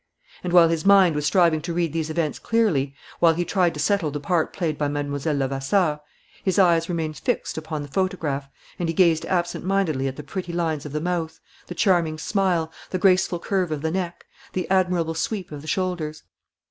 And, while his mind was striving to read these events clearly, while he tried to settle the part played by Mlle. Levasseur, his eyes remained fixed upon the photograph and he gazed absent mindedly at the pretty lines of the mouth, the charming smile, the graceful curve of the neck, the admirable sweep of the shoulders.